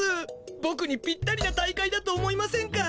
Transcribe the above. ボクにぴったりな大会だと思いませんか？